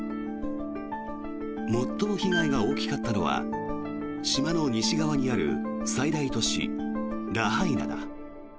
最も被害が大きかったのは島の西側にある最大都市ラハイナだ。